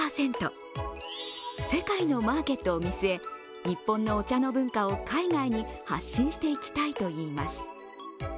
世界のマーケットを見据え、日本のお茶の文化を海外に発信していきたいといいます。